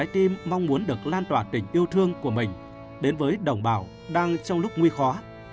tình yêu thương của mình đến với đồng bào đang trong lúc nguy khó